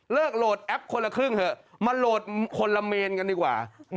โหลดแอปคนละครึ่งเถอะมาโหลดคนละเมนกันดีกว่า